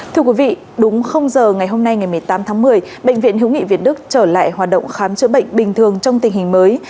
thưa quý vị đúng giờ ngày hôm nay ngày một mươi tám tháng một mươi bệnh viện hiếu nghị việt đức trở lại hoạt động khám chữa bệnh bình thường trong tình hình mới